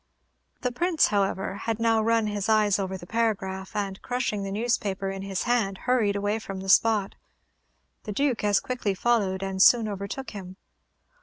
The Prince, however, had now run his eyes over the paragraph, and crushing the newspaper in his hand, hurried away from the spot. The Duke as quickly followed, and soon overtook him.